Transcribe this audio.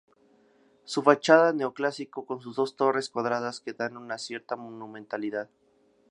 Su fachada neoclásico con sus dos torres cuadradas que dan una cierta monumentalidad.